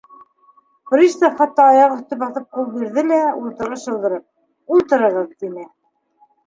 — Пристав хатта аяғөҫтө баҫып ҡул бирҙе лә, ултырғыс шыуҙырып: — Ултырығыҙ, — тине.